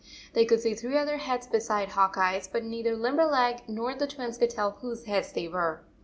They could see three other heads beside Hawk Eye s, but neither Limber leg nor the Twins could tell whose heads they were.